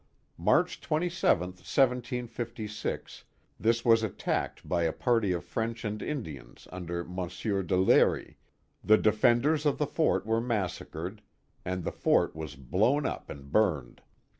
March 27, 1756, this wasattacked by a party of French and Indians under Monsieur de Lery, the defenders of the fort were massacred, and the fort was blown up and burned.